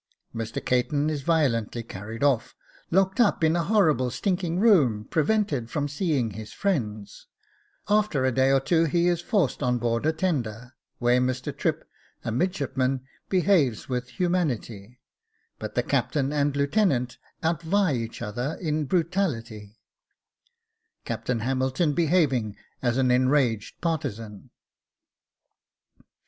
Mr. Caton is violently carried off, locked up in a horrible stinking room, prevented from seeing his friends; after a day or two he is forced on board a tender, where Mr. Tripp, a midshipman, behaves with humanity, but the Captain and Lieutenant outvie each other in brutality; Captain Hamilton behaving as an 'enraged partisan.